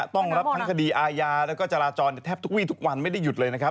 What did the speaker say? ต้องรับทั้งคดีอาญาแล้วก็จราจรแทบทุกวีทุกวันไม่ได้หยุดเลยนะครับ